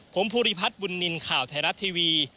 ผมภูริพัฒน์บุญนินทร์ข่าวไทยรัฐทีวี